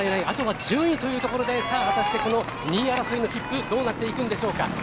あとは順位というところで果たしてこの２位争いの切符どうなっていくんでしょうか。